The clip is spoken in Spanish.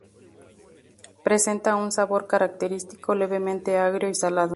Presenta un sabor característico, levemente agrio y salado.